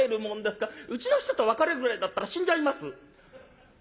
うちの人と別れるぐらいだったら死んじゃいます」。